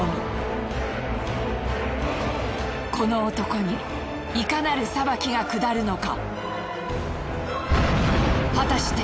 この男にいかなる裁きが下るのか？